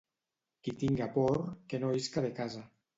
Qui tinga por que no isca de casa.